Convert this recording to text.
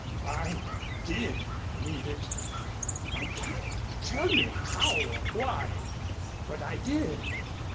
I did need it. I can't tell you how or why, but I did.